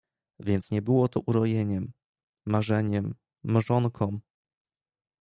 Więc nie było to urojeniem, marzeniem, mrzonką!